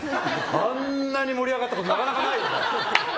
あんなに盛り上がったことなかなかないよね。